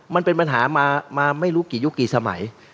มันเป็นปัญหามาไม่รู้กี่ยุคกี่สมัย